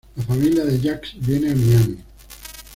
La familia de Jax viene a Miami.